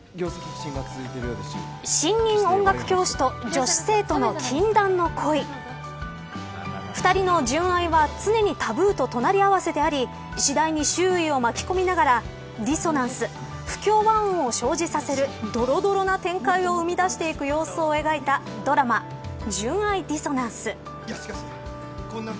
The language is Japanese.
新任音楽教師と女子生徒の禁断の恋２人の純愛は、常にタブーと隣合わせであり次第に周囲を巻き込みながらディソナンス不協和音を感じさせるどろどろな展開を生みだしていく様子を描いたドラマ、純愛ディソナンス。